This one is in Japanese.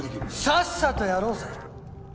さっさとやろうぜ！